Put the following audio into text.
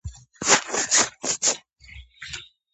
მას რამდენიმე მინიატიურას აკუთვნებენ.